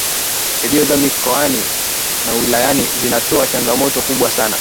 redio za mikoani na wilayani zinatoa changamoto kubwa sana